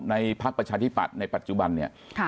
ในภาคประชาธิบัติในปัจจุบัน